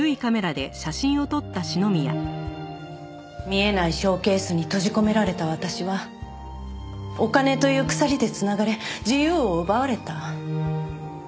見えないショーケースに閉じ込められた私はお金という鎖で繋がれ自由を奪われた。